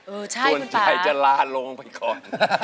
โอ้ใช่คุณป๊าส่วนใจจะลาลงไปก่อน